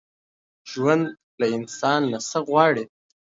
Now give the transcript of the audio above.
ژوند له انسان نه څه غواړي؟